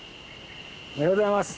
おはようございます。